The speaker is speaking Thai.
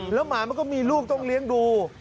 แล้วหมามันก็มีลูกต้องเลี้ยงดู